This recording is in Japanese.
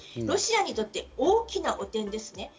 ロシアにとって大きな汚点ですね。